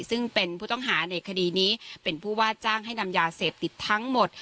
ซึ่งเป็นผู้ต้องหาในคดีนี้เป็นผู้ว่าจ้างให้นำยาเสพติดทั้งหมด